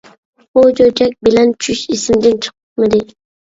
بۇ چۆچەك بىلەن چۈش ئىسىمدىن چىقمىدى.